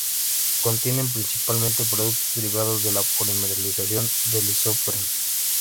Contienen, principalmente, productos derivados de la polimerización del isopreno.